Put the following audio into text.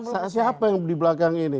siapa yang di belakang ini